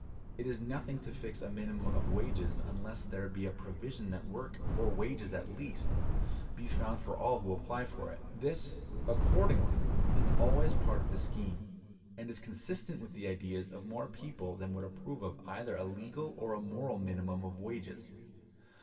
It is nothing to fix a minimum of wages unless there be a provision that work, or wages at least, be found for all who apply for it. This, accordingly, is always part of the scheme, and is consistent with the ideas of more people than would approve of either a legal or a moral minimum of wages.